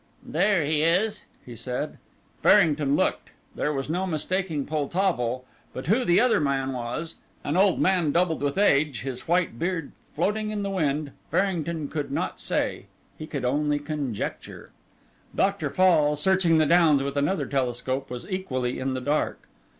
"There he is," he said. Farrington looked. There was no mistaking Poltavo, but who the other man was, an old man doubled with age, his white beard floating in the wind, Farrington could not say; he could only conjecture. Dr. Fall, searching the downs with another telescope, was equally in the dark.